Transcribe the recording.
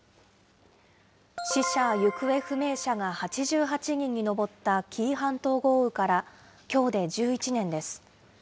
死者・行方不明者が８８人に上った紀伊半島豪雨からきょうで１１年です。